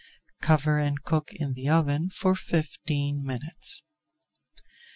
Cover and cook in the oven for fifteen minutes.